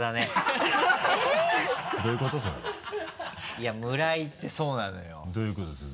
いや村井ってそうなのよ。